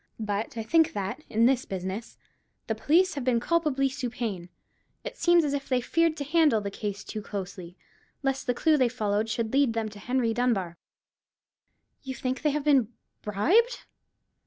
But I think that, in this business, the police have been culpably supine. It seems as if they feared to handle the case to closely, lest the clue they followed should lead them to Henry Dunbar." "You think they have been bribed?"